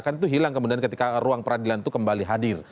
kan itu hilang kemudian ketika ruang peradilan itu kembali hadir